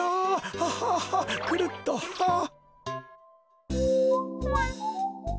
ハハハックルッとハッ。